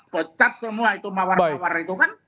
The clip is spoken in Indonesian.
pecat semua itu mawar mawar itu kan